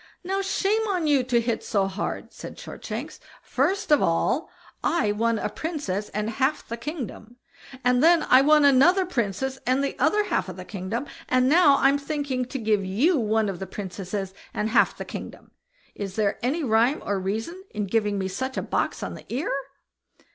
"Now shame on you to "hit so hard!" said Shortshanks. "First of all I won a princess and half the kingdom, and then I won another princess and the other half of the kingdom; and now I'm thinking to give you one of the princesses and half the kingdom. Is there any rhyme or reason in giving me such a box on the ear?"